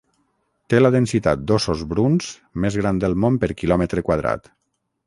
Té la densitat d'óssos bruns més gran del món per quilòmetre quadrat.